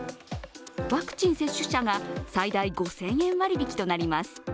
ワクチン接種者が最大５０００円割引となります。